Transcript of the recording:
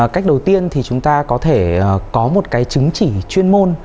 cách đầu tiên thì chúng ta có thể có một cái chứng chỉ chuyên môn